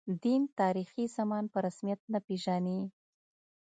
دین، تاریخي زمان په رسمیت نه پېژني.